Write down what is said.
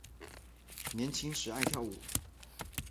年轻时爱跳舞。